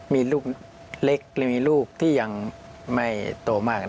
มีลูกเล็กหรือมีลูกที่ยังไม่โตมาก